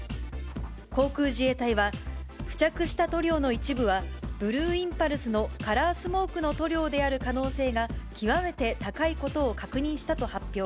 航空自衛隊は、付着した塗料の一部はブルーインパルスのカラースモークの塗料である可能性が極めて高いことを確認したと発表。